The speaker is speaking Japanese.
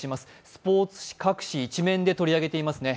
スポーツ紙各紙、１面で取り上げていますね。